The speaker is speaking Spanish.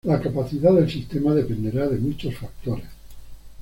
La capacidad del sistema dependerá de muchos factores.